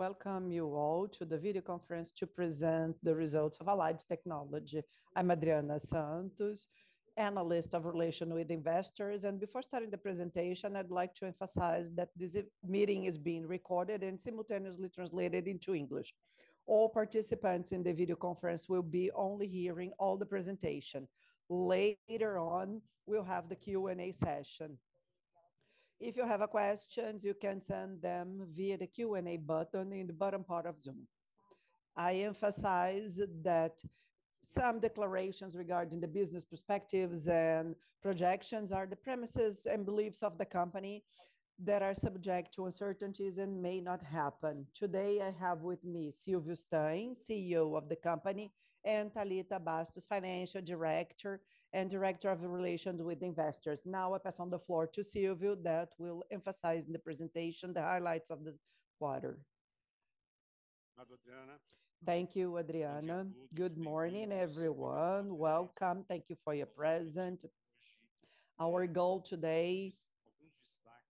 Welcome you all to the video conference to present the results of Allied Tecnologia. I'm Adriana Santos, Analyst of Investor Relations. Before starting the presentation, I'd like to emphasize that this meeting is being recorded and simultaneously translated into English. All participants in the video conference will be only hearing all the presentation. Later on, we'll have the Q&A session. If you have questions, you can send them via the Q&A button in the bottom part of Zoom. I emphasize that some declarations regarding the business perspectives and projections are the premises and beliefs of the company that are subject to uncertainties and may not happen. Today, I have with me Silvio Stagni, CEO of the company, and Thalita Basso, Financial Director and Investor Relations Officer. Now I pass on the floor to Silvio that will emphasize in the presentation the highlights of this quarter. Thank you, Adriana. Good morning, everyone. Welcome. Thank you for your presence. Our goal today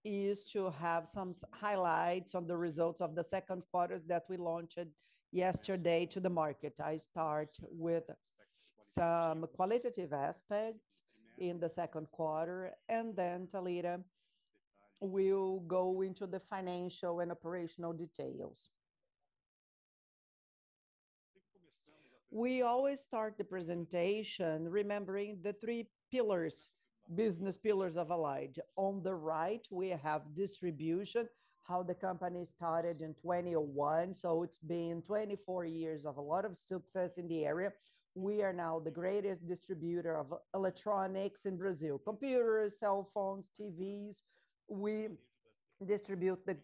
is to have some highlights on the results of the second quarter that we launched yesterday to the market. I start with some qualitative aspects in the second quarter. Then Thalita will go into the financial and operational details. We always start the presentation remembering the three business pillars of Allied. On the right, we have distribution, how the company started in 2001. It's been 24 years of a lot of success in the area. We are now the greatest distributor of electronics in Brazil: computers, cell phones, TVs. We distribute the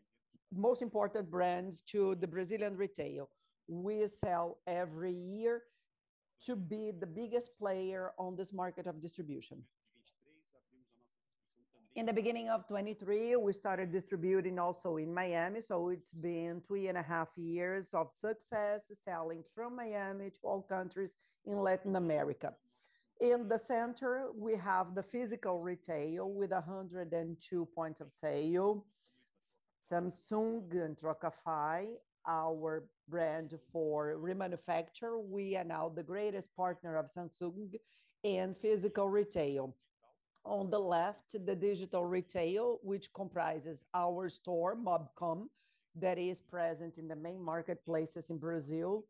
most important brands to the Brazilian retail. We seek every year to be the biggest player on this market of distribution. In the beginning of 2023, we started distributing also in Miami. It's been two and a half years of success selling from Miami to all countries in Latin America. In the center, we have the physical retail with 102 points of sale. Samsung and Trocafy, our brand for refurbished. We are now the greatest partner of Samsung in physical retail. On the left, the digital retail, which comprises our store, Mobcom, that is present in the main marketplaces in Brazil,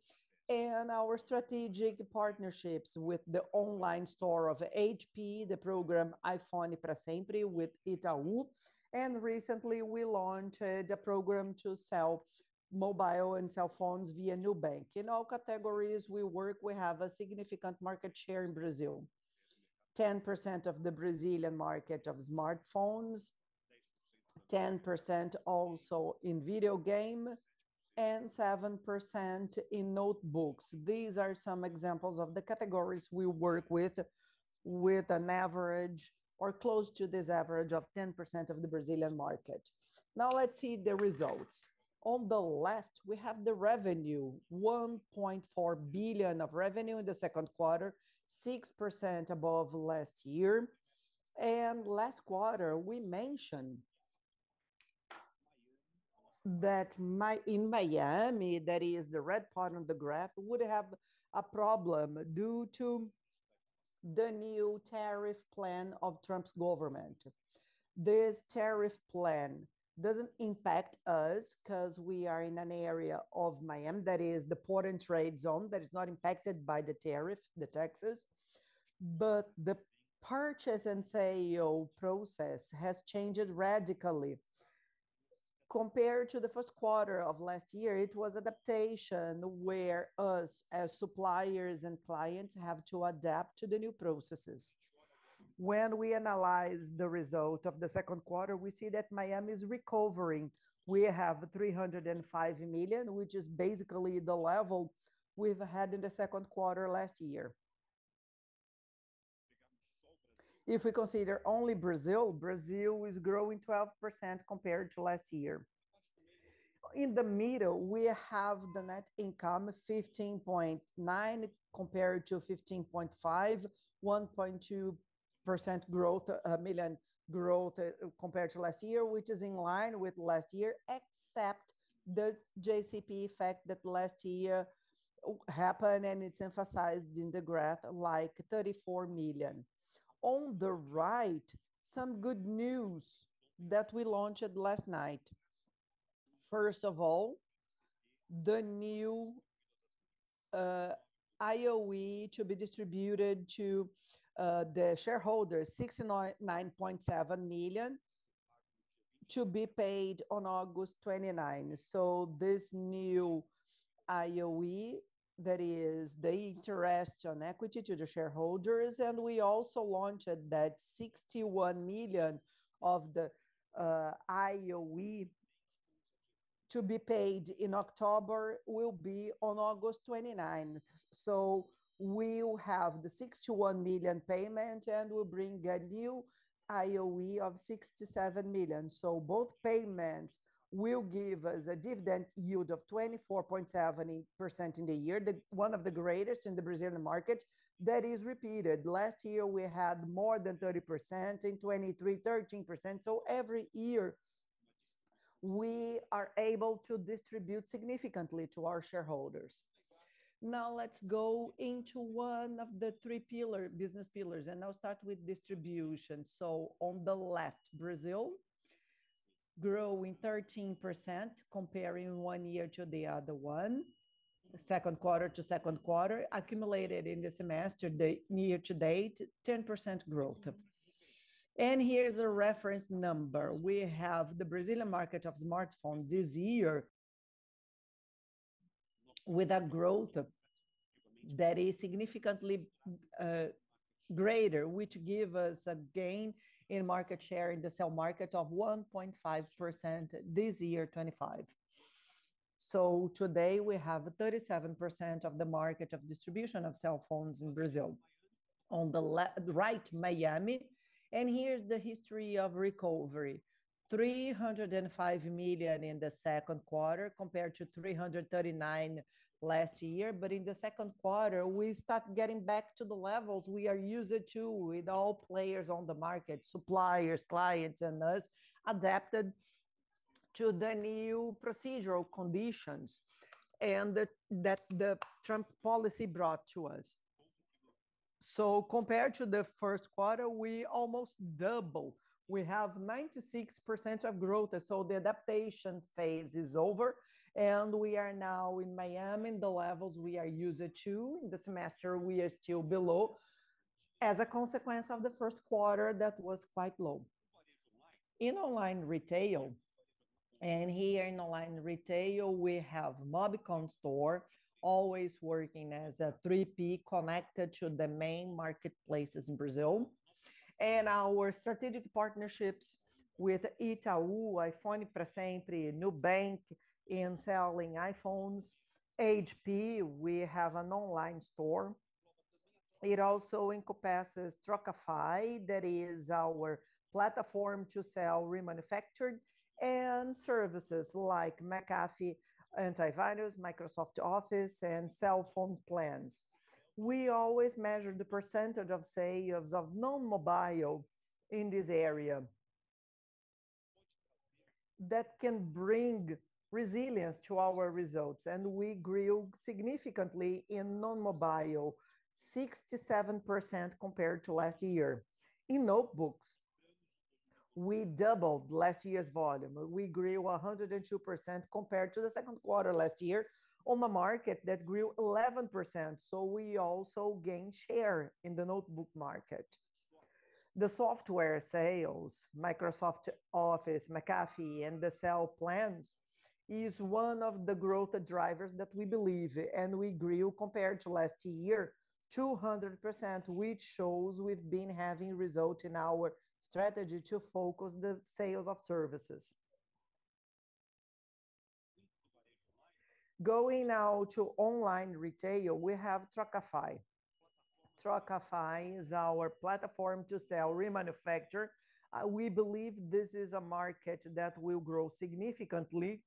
and our strategic partnerships with the online store of HP Inc., the program iPhone pra Sempre with Itaú, and recently we launched a program to sell mobile and cell phones via Nubank. In all categories we work, we have a significant market share in Brazil. 10% of the Brazilian market of smartphones, 10% also in video games, and 7% in notebooks. These are some examples of the categories we work with an average or close to this average of 10% of the Brazilian market. Now let's see the results. On the left, we have the revenue, 1.4 billion of revenue in the second quarter, 6% above last year. Last quarter, we mentioned that in Miami, that is the red part of the graph, would have a problem due to the new tariff plan of Trump's government. This tariff plan doesn't impact us because we are in an area of Miami that is the port and trade zone that is not impacted by the tariff, the taxes. The purchase and sale process has changed radically. Compared to the first quarter of last year, it was adaptation where us, as suppliers and clients, have to adapt to the new processes. When we analyze the result of the second quarter, we see that Miami is recovering. We have 305 million, which is basically the level we have had in the second quarter last year. If we consider only Brazil is growing 12% compared to last year. In the middle, we have the net income of 15.9 million compared to 15.5 million, 1.2% growth compared to last year, which is in line with last year, except the JCP effect that last year happened, and it is emphasized in the graph like 34 million. On the right, some good news that we launched last night. First of all, the new IoE to be distributed to the shareholders, 69.7 million to be paid on August 29th. This new IoE, that is the interest on equity to the shareholders, and we also launched that 61 million of the IoE to be paid in October will be on August 29th. We will have the 61 million payment, and we will bring a new IoE of 67 million. Both payments will give us a dividend yield of 24.70% in the year, one of the greatest in the Brazilian market. That is repeated. Last year, we had more than 30%, in 2023, 13%. Every year we are able to distribute significantly to our shareholders. Now let's go into one of the three business pillars, and I will start with distribution. On the left, Brazil, growing 13% comparing one year to the other one, second quarter to second quarter, accumulated in the semester, the year to date, 10% growth. Here is a reference number. We have the Brazilian market of smartphones this year with a growth that is significantly greater, which give us a gain in market share in the cell market of 1.5% this year, 2025. Today, we have 37% of the market of distribution of cell phones in Brazil. On the right, Miami. Here is the history of recovery, 305 million in the second quarter compared to 339 million last year. In the second quarter, we start getting back to the levels we are used to with all players on the market, suppliers, clients, and us, adapted to the new procedural conditions and that the Trump policy brought to us. Compared to the first quarter, we almost double. We have 96% of growth, the adaptation phase is over, and we are now in Miami, the levels we are used to. In the semester, we are still below as a consequence of the first quarter that was quite low. In online retail, here in online retail, we have Mobcom Store always working as a 3P connected to the main marketplaces in Brazil. Our strategic partnerships with Itaú, iPhone pra Sempre, Nubank in selling iPhones. HP, we have an online store. It also encompasses Trocafy, that is our platform to sell remanufactured and services like McAfee Antivirus, Microsoft Office, and cell phone plans. We always measure the percentage of sales of non-mobile in this area. That can bring resilience to our results, and we grew significantly in non-mobile, 67% compared to last year. In notebooks, we doubled last year's volume. We grew 102% compared to the second quarter last year on a market that grew 11%, so we also gained share in the notebook market. The software sales, Microsoft Office, McAfee, and the cell plans is one of the growth drivers that we believe, and we grew compared to last year, 200%, which shows we've been having result in our strategy to focus the sales of services. Going now to online retail, we have Trocafy. Trocafy is our platform to sell remanufacture. We believe this is a market that will grow significantly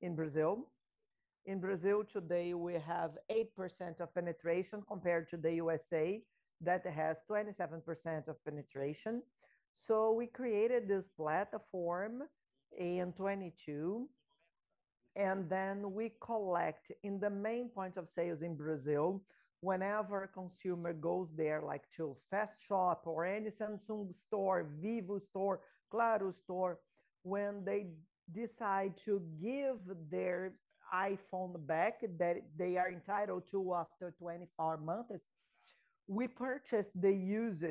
in Brazil. In Brazil today, we have 8% of penetration compared to the U.S.A. that has 27% of penetration. We created this platform in 2022, and then we collect in the main point of sales in Brazil. Whenever a consumer goes there, like to Fast Shop or any Samsung store, Vivo store, Claro store, when they decide to give their iPhone back that they are entitled to after 24 months, we purchase the used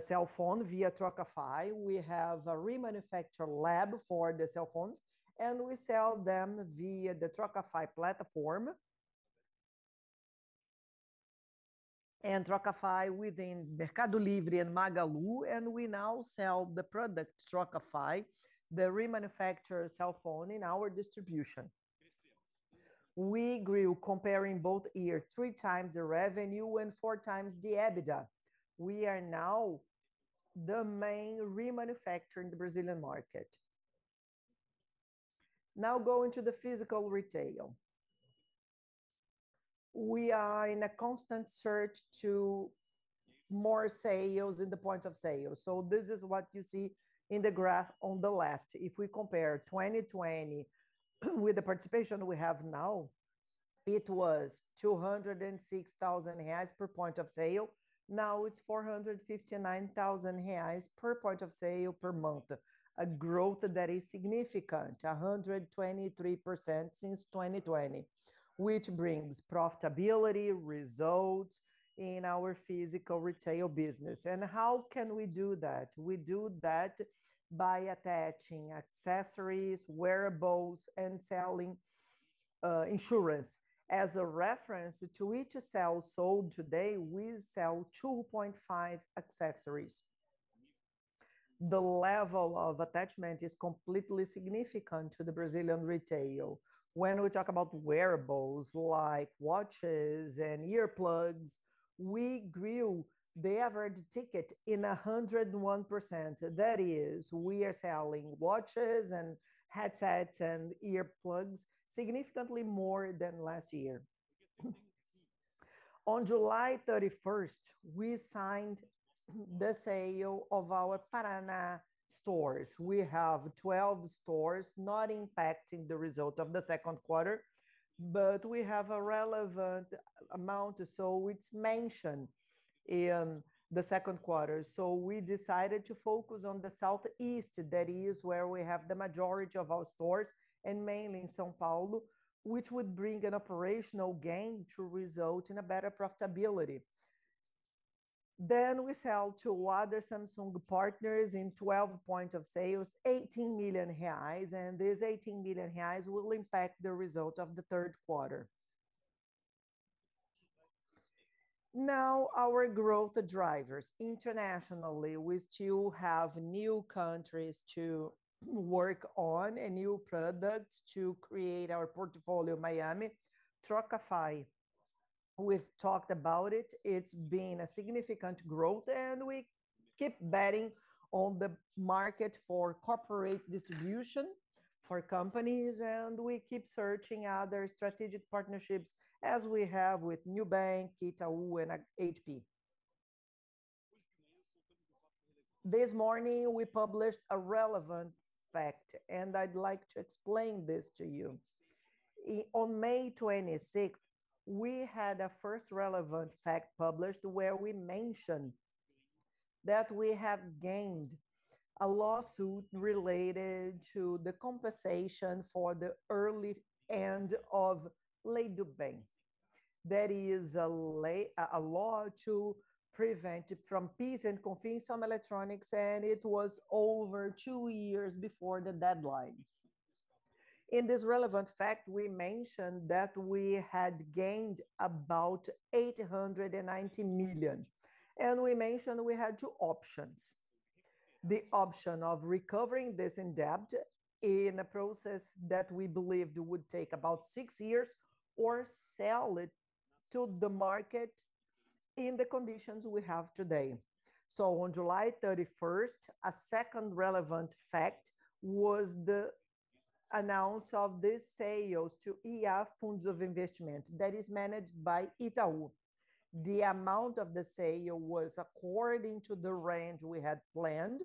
cell phone via Trocafy. We have a remanufacture lab for the cell phones, and we sell them via the Trocafy platform. Trocafy within Mercado Livre and Magalu, and we now sell the product, Trocafy, the remanufacture cell phone in our distribution. We grew comparing both year, three times the revenue and four times the EBITDA. We are now the main remanufacturer in the Brazilian market. Go into the physical retail. We are in a constant search to more sales in the point of sale. This is what you see in the graph on the left. If we compare 2020 with the participation we have now, it was 206,000 reais per point of sale. It's 459,000 reais per point of sale per month. A growth that is significant, 123% since 2020, which brings profitability results in our physical retail business. How can we do that? We do that by attaching accessories, wearables, and selling insurance. As a reference to each sale sold today, we sell 2.5 accessories. The level of attachment is completely significant to the Brazilian retail. When we talk about wearables like watches and earplugs, we grew the average ticket in 101%. That is, we are selling watches and headsets and earplugs significantly more than last year. On July 31st, we signed the sale of our Paraná stores. We have 12 stores not impacting the result of the second quarter, but we have a relevant amount, so it's mentioned in the second quarter. We decided to focus on the southeast. That is where we have the majority of our stores, and mainly in São Paulo, which would bring an operational gain to result in a better profitability. We sell to other Samsung partners in 12 point of sales, 18 million reais, and these 18 million reais will impact the result of the third quarter. Our growth drivers. Internationally, we still have new countries to work on and new products to create our portfolio Miami. Trocafy, we've talked about it. It's been a significant growth, and we keep betting on the market for corporate distribution for companies, and we keep searching other strategic partnerships as we have with Nubank, Itaú, and HP. This morning, we published a relevant fact, I'd like to explain this to you. On May 26th, we had a first relevant fact published where we mentioned that we have gained a lawsuit related to the compensation for the early end of Lei do Bem. That is a law to prevent from PIS/Cofins on electronics, and it was over two years before the deadline. In this relevant fact, we mentioned that we had gained about 890 million, and we mentioned we had two options. The option of recovering this in debt in a process that we believed would take about six years, or sell it to the market in the conditions we have today. On July 31st, a second relevant fact was the announce of the sales to EF Funds of Investment that is managed by Itaú. The amount of the sale was according to the range we had planned,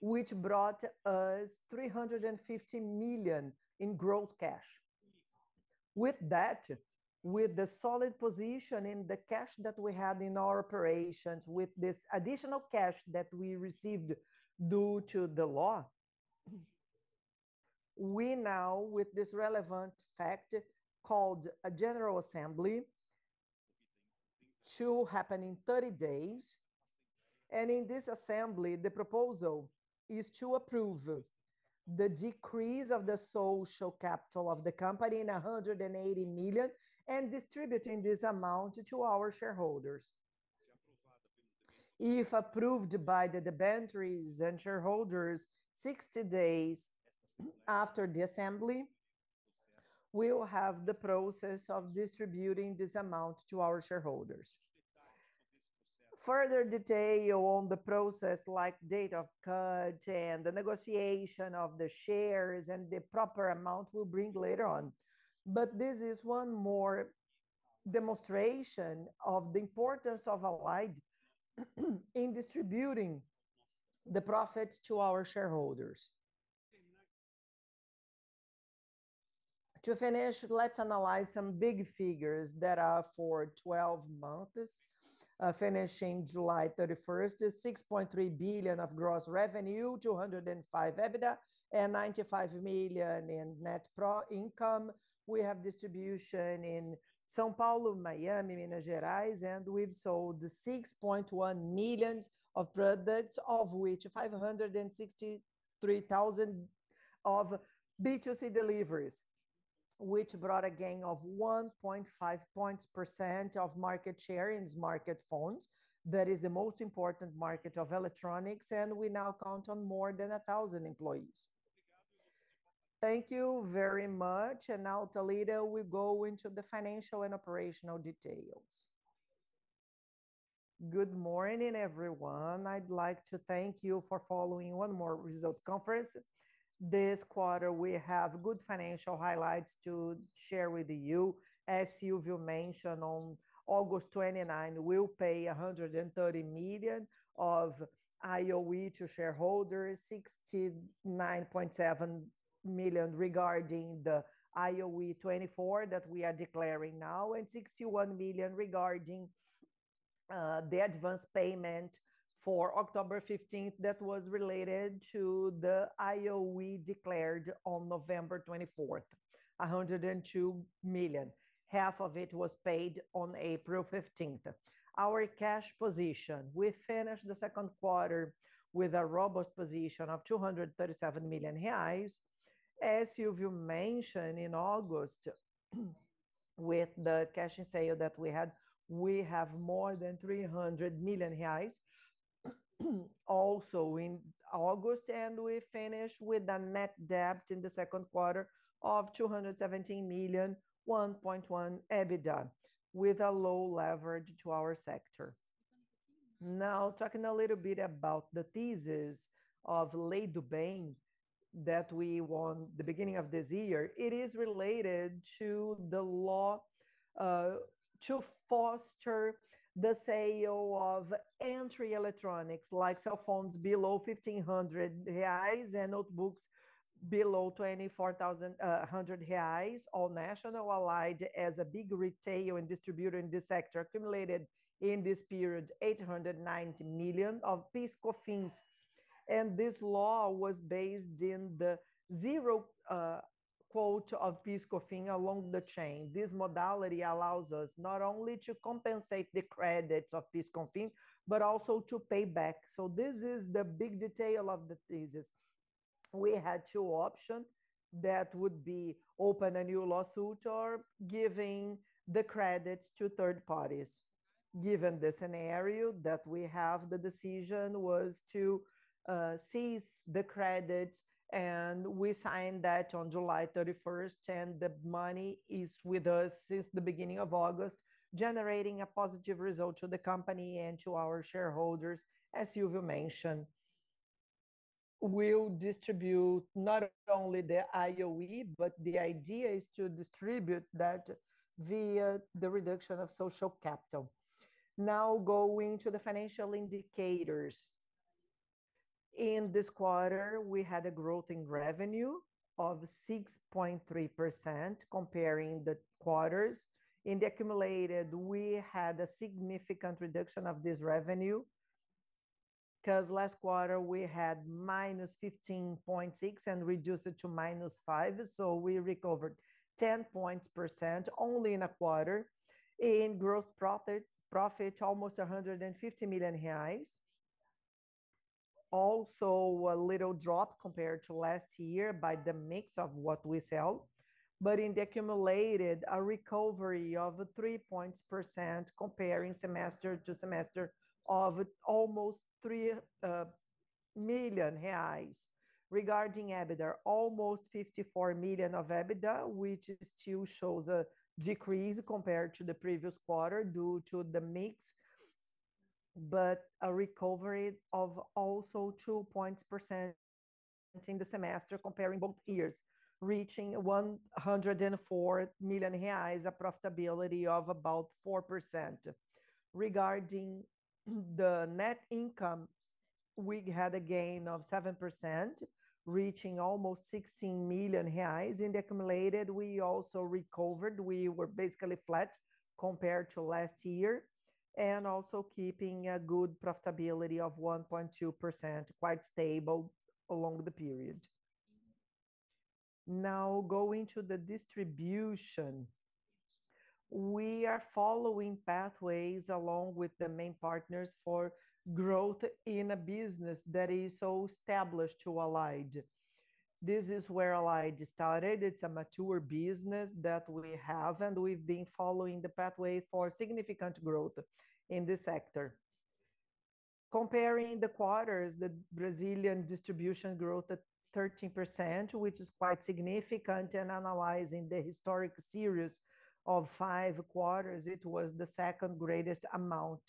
which brought us 350 million in gross cash. With that, with the solid position in the cash that we had in our operations, with this additional cash that we received due to the law, we now, with this relevant fact, called a general assembly to happen in 30 days. In this assembly, the proposal is to approve the decrease of the social capital of the company in 180 million and distributing this amount to our shareholders. If approved by the debentures and shareholders 60 days after the assembly, we will have the process of distributing this amount to our shareholders. Further detail on the process like date of cut and the negotiation of the shares and the proper amount we will bring later on. But this is one more demonstration of the importance of Allied in distributing the profits to our shareholders. To finish, let's analyze some big figures that are for 12 months. Finishing July 31st is 6.3 billion of gross revenue, 205 million EBITDA, and 95 million in net profit. We have distribution in São Paulo, Miami, Minas Gerais, and we have sold 6.1 million products, of which 563,000 B2C deliveries, which brought a gain of 1.5 percentage points of market share in smartphones. That is the most important market of electronics, and we now count on more than 1,000 employees. Thank you very much. And now, Thalita, we go into the financial and operational details. Good morning, everyone. I'd like to thank you for following one more result conference. This quarter, we have good financial highlights to share with you. As Silvio mentioned, on August 29, we will pay 130 million of JCP to shareholders, 69.7 million regarding the JCP 2024 that we are declaring now, and 61 million regarding the advanced payment for October 15th that was related to the JCP declared on November 24th, 102 million. Half of it was paid on April 15th. Our cash position. We finished the second quarter with a robust position of 237 million reais. As Silvio mentioned, in August, with the cash and sale that we had, we have more than 300 million reais. Also in August, and we finish with a net debt in the second quarter of 217 million, 1.1x EBITDA with a low leverage to our sector. Now, talking a little bit about the thesis of Lei do Bem that we won the beginning of this year, it is related to the law to foster the sale of entry electronics like cell phones below 1,500 reais and notebooks below 2,400,000 reais, all national. Allied as a big retail and distributor in this sector, accumulated in this period 890 million of PIS/Cofins. This law was based in the zero quote of PIS/Cofins along the chain. This modality allows us not only to compensate the credits of PIS/Cofins, but also to pay back. This is the big detail of the thesis. We had two option that would be open a new lawsuit or giving the credits to third parties. Given the scenario that we have, the decision was to cede the credit and we signed that on July 31st and the money is with us since the beginning of August, generating a positive result to the company and to our shareholders, as Silvio mentioned. We'll distribute not only the IoE, but the idea is to distribute that via the reduction of social capital. Going to the financial indicators. In this quarter, we had a growth in revenue of 6.3% comparing the quarters. In the accumulated, we had a significant reduction of this revenue, because last quarter we had -15.6% and reduced it to -5%, we recovered 10 percentage points only in a quarter. In gross profit, almost 150 million reais. A little drop compared to last year by the mix of what we sell. In the accumulated, a recovery of 3 percentage points comparing semester to semester of almost 3 million reais. Regarding EBITDA, almost 54 million of EBITDA, which still shows a decrease compared to the previous quarter due to the mix, but a recovery of also 2 percentage points in the semester comparing both years, reaching 104 million reais, a profitability of about 4%. Regarding the net income, we had a gain of 7%, reaching almost 16 million reais. In the accumulated, we recovered. We were basically flat compared to last year, keeping a good profitability of 1.2%, quite stable along the period. Going to the distribution. We are following pathways along with the main partners for growth in a business that is so established to Allied. This is where Allied started. It's a mature business that we have, we've been following the pathway for significant growth in this sector. Comparing the quarters, the Brazilian distribution growth at 13%, which is quite significant, analyzing the historic series of five quarters, it was the second greatest amount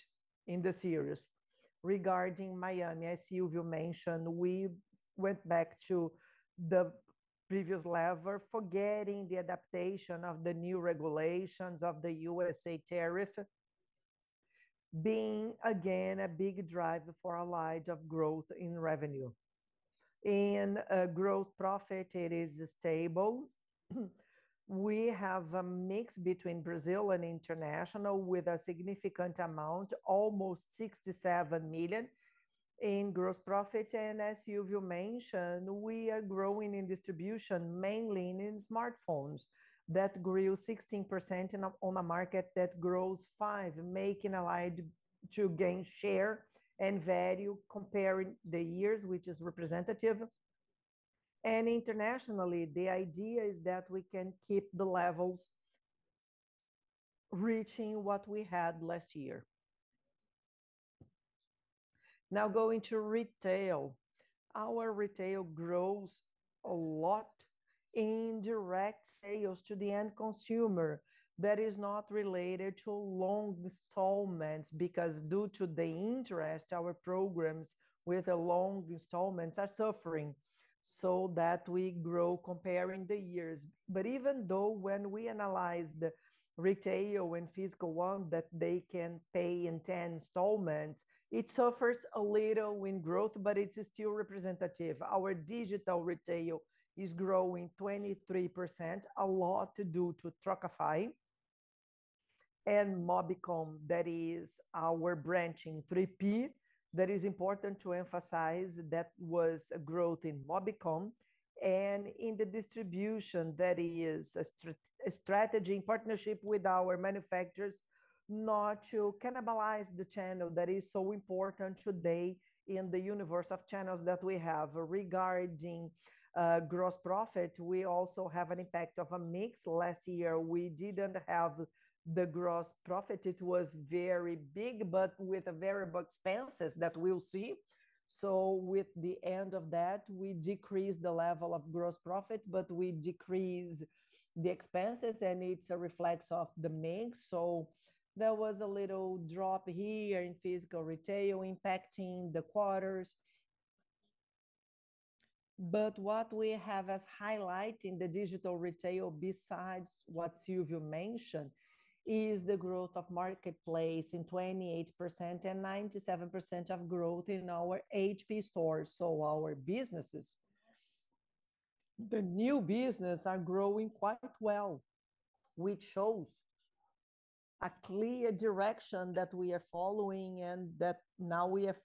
in the series. Regarding Miami, as Silvio mentioned, we went back to the previous level, forgetting the adaptation of the new regulations of the USA tariff, being again a big driver for Allied of growth in revenue. In growth profit, it is stable. We have a mix between Brazil and international with a significant amount, almost 67 million in gross profit. As Silvio mentioned, we are growing in distribution mainly in smartphones that grew 16% on a market that grows 5%, making Allied to gain share and value comparing the years, which is representative. Internationally, the idea is that we can keep the levels reaching what we had last year. Going to retail. Our retail grows a lot in direct sales to the end consumer that is not related to long installments, because due to the interest, our programs with the long installments are suffering, so that we grow comparing the years. Even though when we analyze the retail and physical one that they can pay in 10 installments, it suffers a little in growth, but it's still representative. Our digital retail is growing 23%, a lot to do with Trocafy and Mobcom, that is our branch in 3P. That is important to emphasize that was a growth in Mobcom. In the distribution, that is a strategy in partnership with our manufacturers not to cannibalize the channel that is so important today in the universe of channels that we have. Regarding gross profit, we also have an impact of a mix. Last year, we didn't have the gross profit. It was very big, but with variable expenses that we'll see. With the end of that, we decrease the level of gross profit, but we decrease the expenses, and it's a reflex of the mix. There was a little drop here in physical retail impacting the quarters. What we have as highlight in the digital retail, besides what Silvio mentioned, is the growth of marketplace in 28% and 97% of growth in our HP stores. Our businesses, the new business, are growing quite well, which shows a clear direction that we are following and that now we are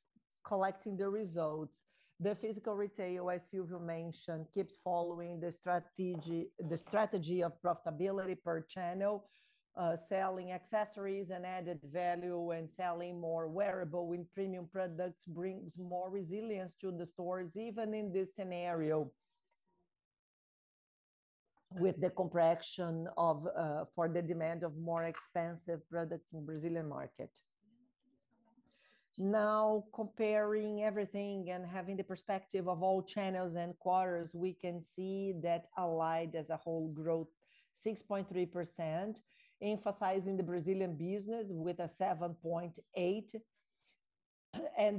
collecting the results. The physical retail, as Silvio mentioned, keeps following the strategy of profitability per channel. Selling accessories and added value and selling more wearable and premium products brings more resilience to the stores, even in this scenario, with the compression for the demand of more expensive products in Brazilian market. Comparing everything and having the perspective of all channels and quarters, we can see that Allied as a whole grew 6.3%, emphasizing the Brazilian business with a 7.8%.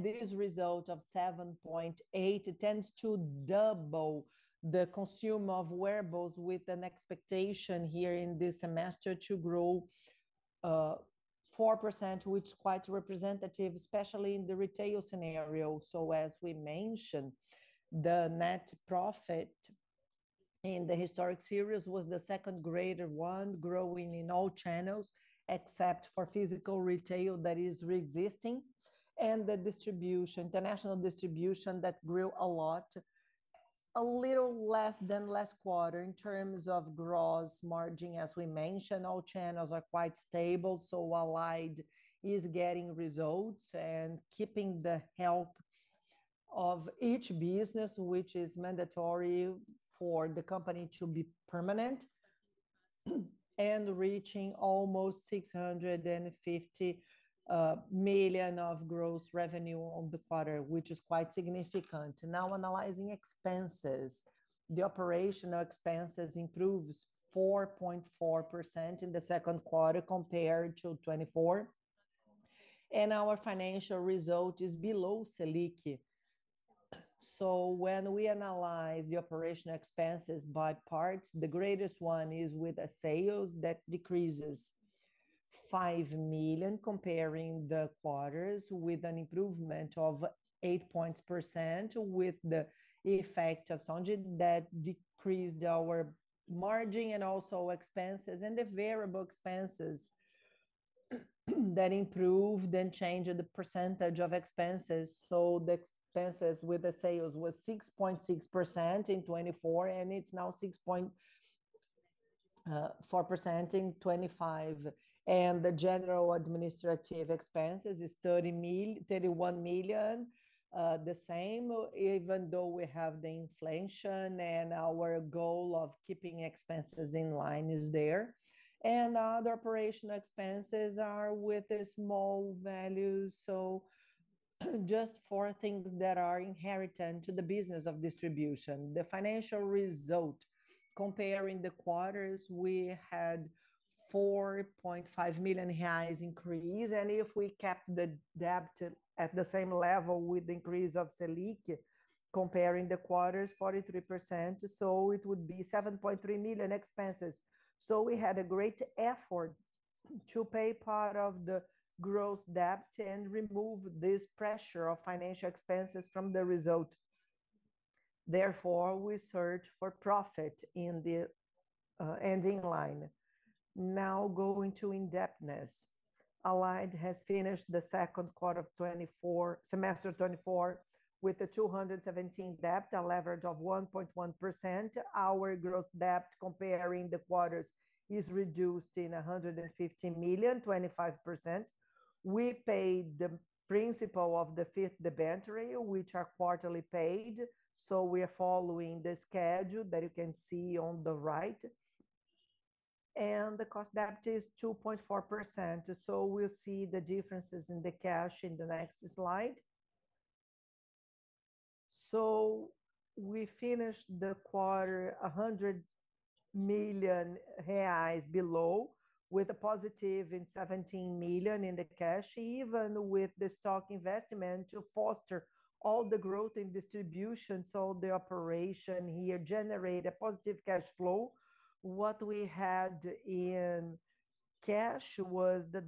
This result of 7.8% tends to double the consumer of wearables with an expectation here in this semester to grow 4%, which is quite representative, especially in the retail scenario. As we mentioned, the net profit in the historic series was the second greatest one, growing in all channels except for physical retail that is resisting, and the international distribution that grew a lot, a little less than last quarter. In terms of gross margin, as we mentioned, all channels are quite stable. Allied is getting results and keeping the health of each business, which is mandatory for the company to be permanent, and reaching almost 650 million of gross revenue on the quarter, which is quite significant. Analyzing expenses. The operational expenses improved 4.4% in the second quarter compared to 2024. Our financial result is below Selic. When we analyze the operational expenses by parts, the greatest one is with the sales that decreases 5 million comparing the quarters with an improvement of 8% with the effect of Soudi that decreased our margin and also expenses and the variable expenses that improved and changed the percentage of expenses. The expenses with the sales was 6.6% in 2024, and it's now 6.4% in 2025. The general administrative expenses is 31 million, the same, even though we have the inflation and our goal of keeping expenses in line is there. Other operational expenses are with a small value, just for things that are inherent to the business of distribution. The financial result, comparing the quarters, we had 4.5 million reais increase. If we kept the debt at the same level with the increase of Selic, comparing the quarters 43%, it would be 7.3 million expenses. We had a great effort to pay part of the gross debt and remove this pressure of financial expenses from the result. Therefore, we searched for profit in the ending line. Now going to indebtedness. Allied has finished the second quarter of 2024, semester 2024, with a 217 debt, a leverage of 1.1%. Our gross debt comparing the quarters is reduced in 150 million, 25%. We paid the principal of the fifth debenture, which are quarterly paid, we are following the schedule that you can see on the right. The cost debt is 2.4%, we'll see the differences in the cash in the next slide. We finished the quarter 100 million reais below with a positive in 17 million in the cash, even with the stock investment to foster all the growth in distribution. The operation here generated a positive cash flow. What we had in cash was the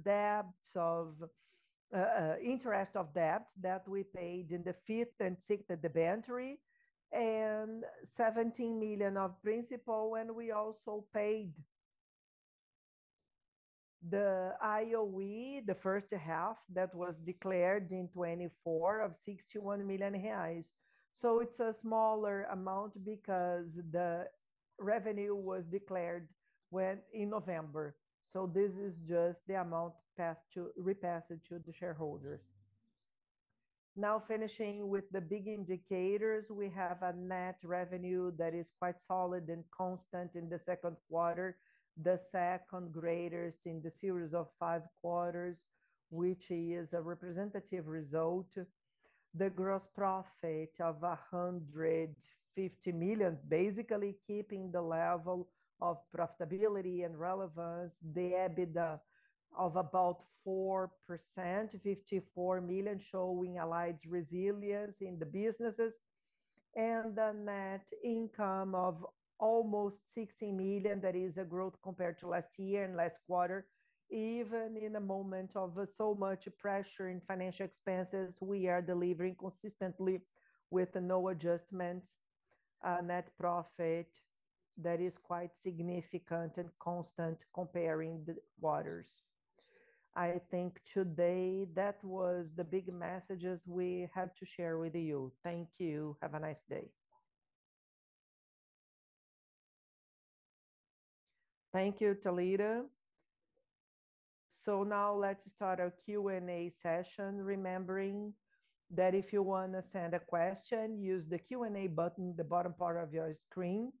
interest of debt that we paid in the fifth and sixth debenture and 17 million of principal, and we also paid the JCP, the first half that was declared in 2024 of 61 million reais. It's a smaller amount because the revenue was declared in November. This is just the amount repassed to the shareholders. Now finishing with the big indicators. We have a net revenue that is quite solid and constant in the second quarter, the second-greatest in the series of five quarters, which is a representative result. The gross profit of 150 million, basically keeping the level of profitability and relevance. The EBITDA of about 4%, 54 million, showing Allied's resilience in the businesses, and the net income of almost 16 million. That is a growth compared to last year and last quarter. Even in a moment of so much pressure in financial expenses, we are delivering consistently with no adjustments, net profit that is quite significant and constant comparing the quarters. I think today that was the big messages we had to share with you. Thank you. Have a nice day. Thank you, Thalita. Now let's start our Q&A session, remembering that if you want to send a question, use the Q&A button, the bottom part of your screen.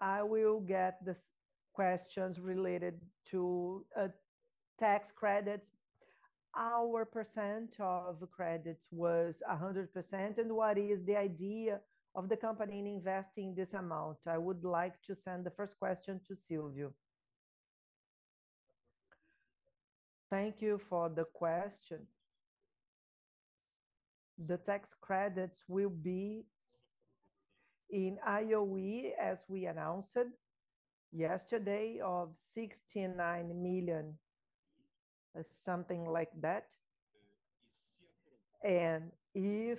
I will get the questions related to tax credits. Our percent of credits was 100%, what is the idea of the company in investing this amount? I would like to send the first question to Silvio. Thank you for the question. The tax credits will be in IoE, as we announced yesterday, of 69 million, something like that. If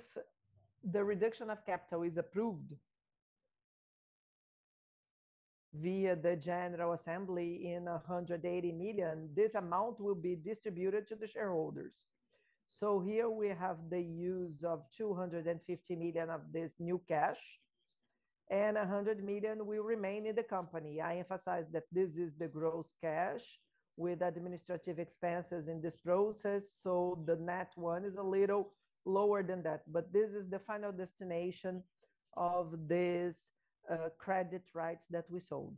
the reduction of capital is approved via the general assembly in 180 million, this amount will be distributed to the shareholders. Here we have the use of 250 million of this new cash and 100 million will remain in the company. I emphasize that this is the gross cash with administrative expenses in this process, so the net one is a little lower than that. This is the final destination of these credit rights that we sold.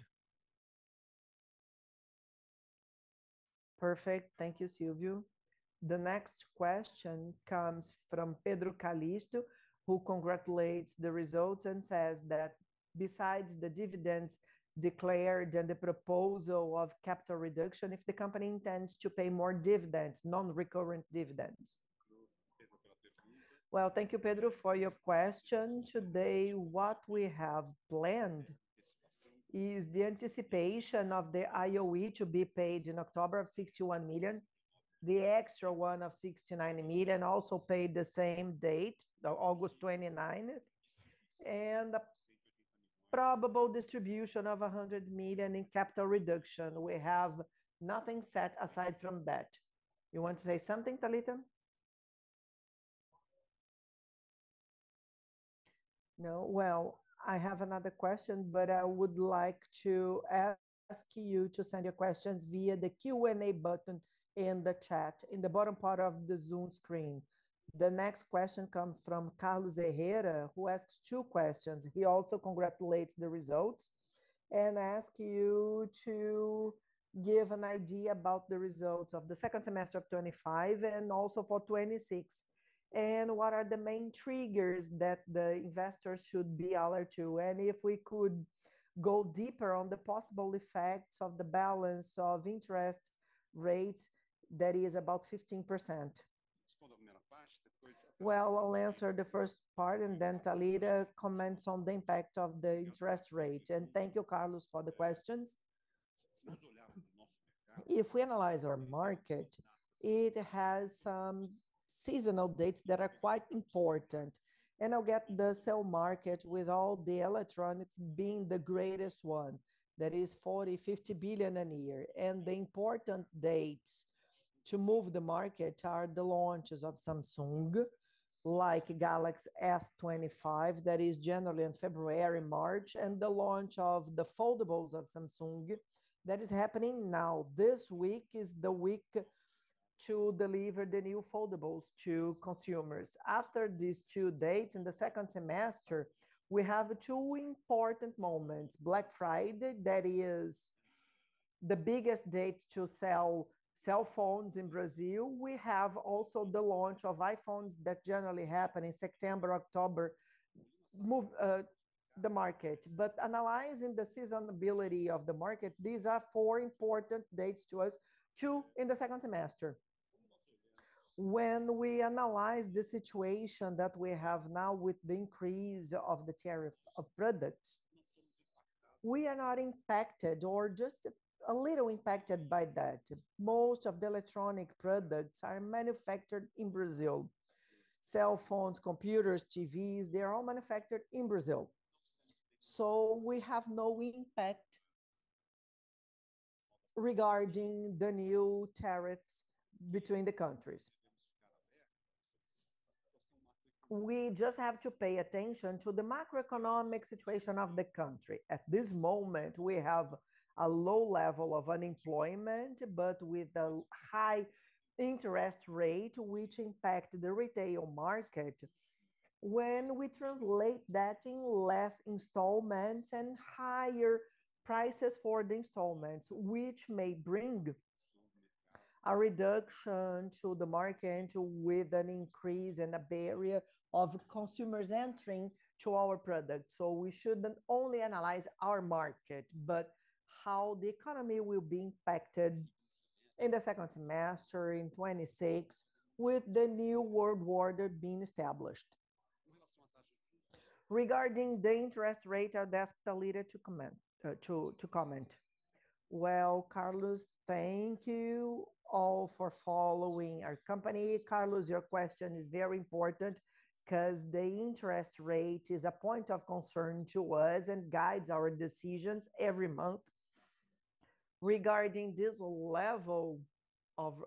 Perfect. Thank you, Silvio Stagni. The next question comes from Pedro Calixto, who congratulates the results and says that besides the dividends declared and the proposal of capital reduction, if the company intends to pay more dividends, non-recurrent dividends. Thank you, Pedro, for your question. Today, what we have planned is the anticipation of the IoE to be paid in October of 61 million. The extra one of 69 million also paid the same date, August 29th, and probable distribution of 100 million in capital reduction. We have nothing set aside from that. You want to say something, Thalita? No. I have another question, but I would like to ask you to send your questions via the Q&A button in the chat in the bottom part of the Zoom screen. The next question comes from Carlos Herrera, who asks two questions. He also congratulates the results and asks you to give an idea about the results of the second semester of 2025 and also for 2026, and what are the main triggers that the investors should be alert to, and if we could go deeper on the possible effects of the balance of interest rate that is about 15%. I'll answer the first part and then Thalita comments on the impact of the interest rate. Thank you, Carlos, for the questions. If we analyze our market, it has some seasonal dates that are quite important. I'll get the cell market with all the electronics being the greatest one, that is 40 billion-50 billion a year. The important dates to move the market are the launches of Samsung, like Galaxy S25, that is generally in February, March, and the launch of the foldables of Samsung that is happening now. This week is the week to deliver the new foldables to consumers. After these two dates, in the second semester, we have two important moments, Black Friday, that is the biggest date to sell cell phones in Brazil. We have also the launch of iPhones that generally happen in September, October, move the market. Analyzing the seasonality of the market, these are four important dates to us, two in the second semester. When we analyze the situation that we have now with the increase of the tariff of products, we are not impacted or just a little impacted by that. Most of the electronic products are manufactured in Brazil. Cell phones, computers, TVs, they're all manufactured in Brazil. We have no impact regarding the new tariffs between the countries. We just have to pay attention to the macroeconomic situation of the country. At this moment, we have a low level of unemployment, but with a high interest rate, which impact the retail market. When we translate that in less installments and higher prices for the installments, which may bring a reduction to the market with an increase in a barrier of consumers entering to our product. We shouldn't only analyze our market, but how the economy will be impacted in the second semester in 2026 with the new world order being established. Regarding the interest rate, I'll ask Thalita to comment. Well, Carlos, thank you all for following our company. Carlos, your question is very important because the interest rate is a point of concern to us and guides our decisions every month. Regarding this level of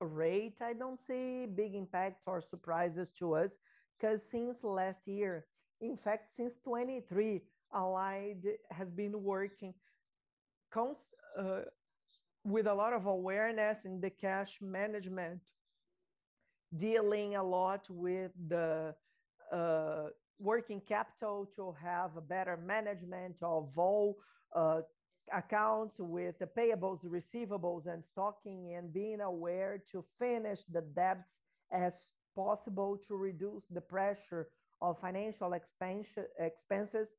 rate, I don't see big impacts or surprises to us because since last year, in fact, since 2023, Allied has been working with a lot of awareness in the cash management, dealing a lot with the working capital to have a better management of all accounts with the payables, receivables, and stocking, and being aware to finish the debts as possible to reduce the pressure of financial expenses.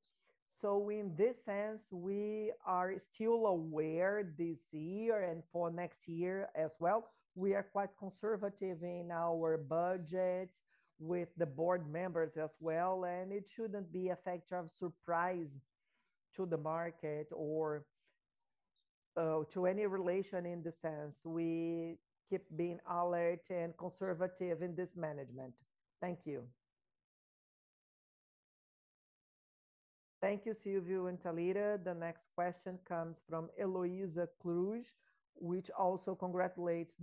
In this sense, we are still aware this year and for next year as well. We are quite conservative in our budget with the board members as well, it shouldn't be a factor of surprise to the market or to any relation in the sense. We keep being alert and conservative in this management. Thank you. Thank you, Silvio and Thalita. The next question comes from Eloisa Cruz, which also congratulates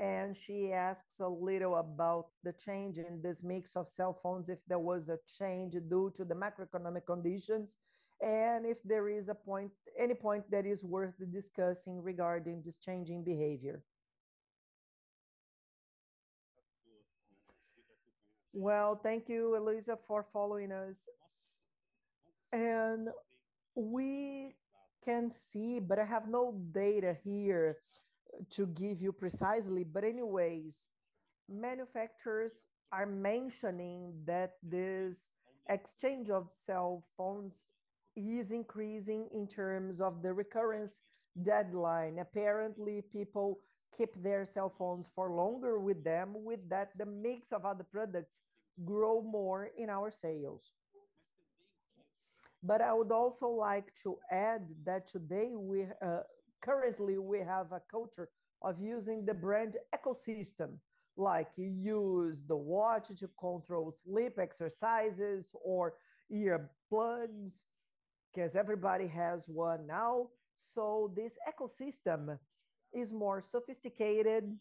the results. She asks a little about the change in this mix of cell phones, if there was a change due to the macroeconomic conditions, and if there is any point that is worth discussing regarding this changing behavior. Well, thank you, Eloisa, for following us. We can see, but I have no data here to give you precisely, but anyways, manufacturers are mentioning that this exchange of cell phones is increasing in terms of the recurrence deadline. Apparently, people keep their cell phones for longer with them. With that, the mix of other products grow more in our sales. I would also like to add that today, currently we have a culture of using the brand ecosystem. Like you use the watch to control sleep exercises or earplugs, because everybody has one now. This ecosystem is more sophisticated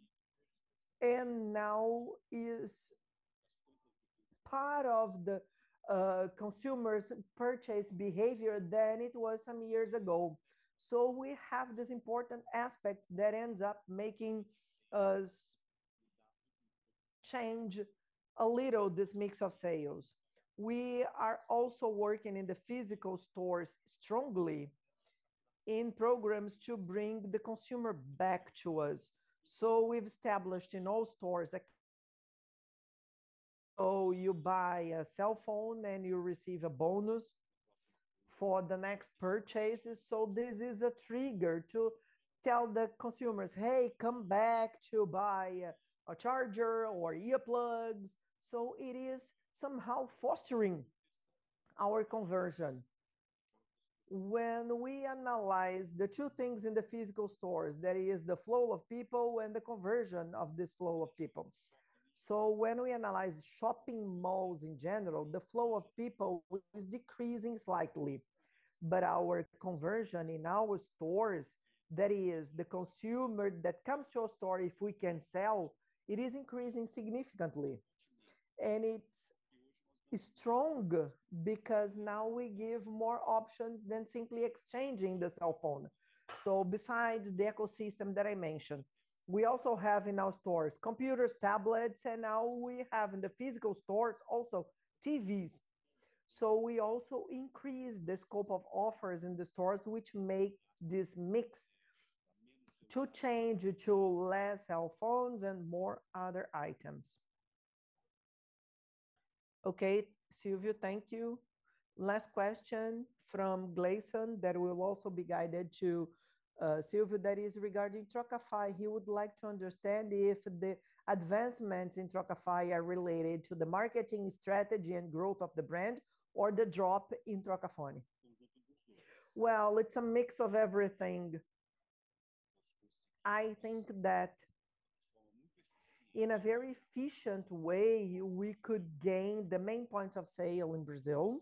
and now is part of the consumer's purchase behavior than it was some years ago. We have this important aspect that ends up making us change a little this mix of sales. We are also working in the physical stores strongly in programs to bring the consumer back to us. You buy a cell phone, and you receive a bonus for the next purchases. This is a trigger to tell the consumers, "Hey, come back to buy a charger or earplugs." It is somehow fostering our conversion. When we analyze the two things in the physical stores, that is the flow of people and the conversion of this flow of people. When we analyze shopping malls in general, the flow of people is decreasing slightly. Our conversion in our stores, that is the consumer that comes to a store, if we can sell, it is increasing significantly. It's strong because now we give more options than simply exchanging the cell phone. Besides the ecosystem that I mentioned, we also have in our stores, computers, tablets, and now we have in the physical stores also TVs. We also increase the scope of offers in the stores, which make this mix to change to less cell phones and more other items. Okay, Silvio, thank you. Last question from Gleison that will also be guided to Silvio that is regarding Trocafy. He would like to understand if the advancements in Trocafy are related to the marketing strategy and growth of the brand or the drop in Trocafy. Well, it's a mix of everything. I think that in a very efficient way, we could gain the main points of sale in Brazil,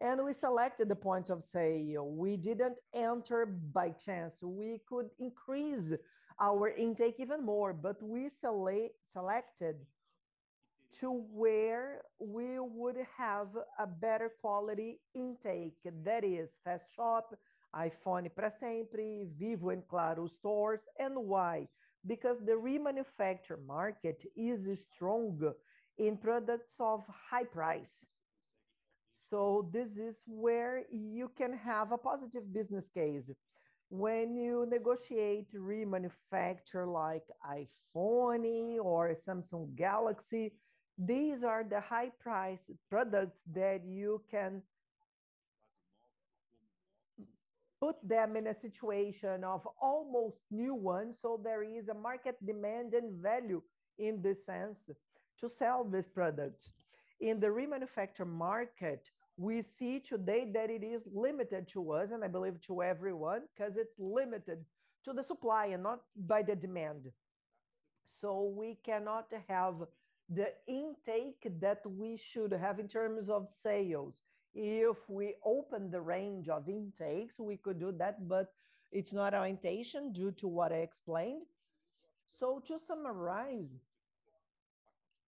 and we selected the points of sale. We didn't enter by chance. We could increase our intake even more, but we selected To where we would have a better quality intake. That is Fast Shop, iPhone pra Sempre, Vivo and Claro stores. Why? Because the remanufacture market is strong in products of high price. This is where you can have a positive business case. When you negotiate remanufacture like iPhone or Samsung Galaxy, these are the high price products that you can put them in a situation of almost new one, so there is a market demand and value in this sense to sell this product. In the remanufacture market, we see today that it is limited to us, and I believe to everyone, because it's limited to the supply and not by the demand. We cannot have the intake that we should have in terms of sales. If we open the range of intakes, we could do that, but it's not our intention due to what I explained. To summarize,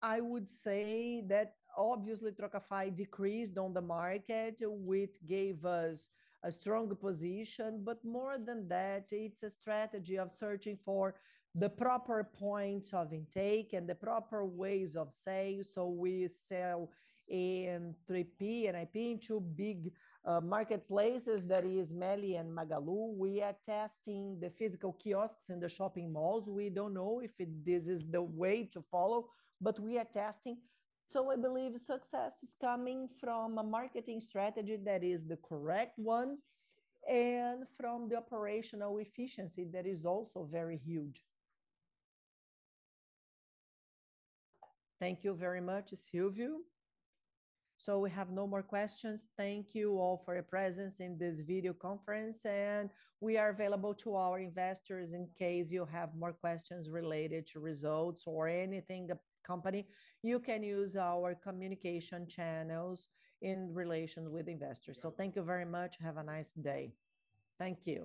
I would say that obviously Trocafy decreased on the market, which gave us a strong position. More than that, it's a strategy of searching for the proper points of intake and the proper ways of sale. We sell in 3P and 1P in two big marketplaces, that is Meli and Magalu. We are testing the physical kiosks in the shopping malls. We don't know if this is the way to follow, but we are testing. I believe success is coming from a marketing strategy that is the correct one and from the operational efficiency that is also very huge. Thank you very much, Silvio. We have no more questions. Thank you all for your presence in this video conference, and we are available to our investors in case you have more questions related to results or anything company. You can use our communication channels in relation with investors. Thank you very much. Have a nice day. Thank you.